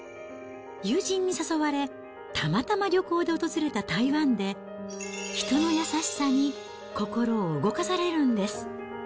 友人に誘われ、たまたま旅行で訪れた台湾で、人の優しさに心を動かされるんです。